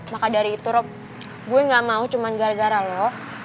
maka dari itu rob gue gak mau cuma gara gara lo